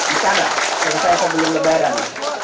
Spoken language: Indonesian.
bisa nggak selesai sebelum lebaran